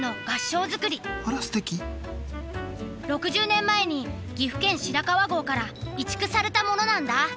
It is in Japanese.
６０年前に岐阜県白川郷から移築されたものなんだ。